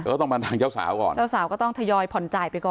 ก็ต้องมาทางเจ้าสาวก่อน